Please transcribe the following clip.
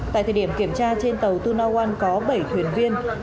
tại thời điểm kiểm tra trên tàu tuna on có bảy thuyền viên